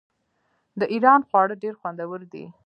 د ایران خواړه ډیر خوندور دي.